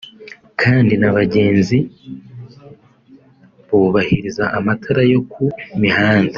kandi n’abagenzi bubahiriza amatara yo ku mihanda